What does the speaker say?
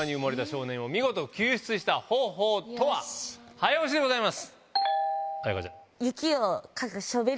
早押しでございます。